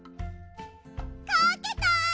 かけた！